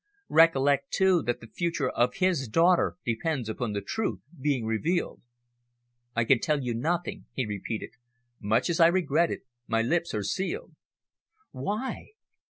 Recollect, too, that the future of his daughter depends upon the truth being revealed." "I can tell you nothing," he repeated. "Much as I regret it, my lips are sealed." "Why?"